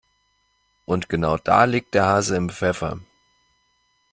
Und genau da liegt der Hase im Pfeffer.